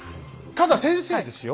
ただ先生ですよ